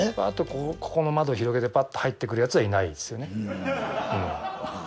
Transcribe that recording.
あとここの窓広げてパッと入ってくるヤツはいないですよね。